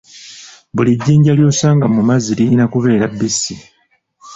Buli jjinja ly'osanga mu mazzi lirina kubeera bbisi.